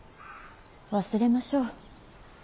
忘れましょう。